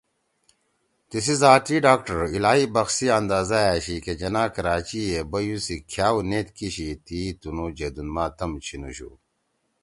تیِسی ذاتی ڈاکٹر الہی بخش سی آندازہ أشی کہ جناح کراچی ئے بیُو سی کھأؤ نیت کِیشی تی تنو جیدون ما طم چھینُوشُو